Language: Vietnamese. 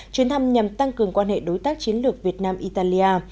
chuyến thăm nhằm tăng cường quan hệ đối tác chiến lược việt nam italia